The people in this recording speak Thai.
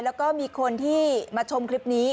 แล้วก็มีคนที่มาชมคลิปนี้